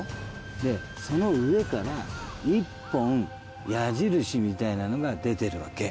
でその上から１本矢印みたいなのが出てるわけ。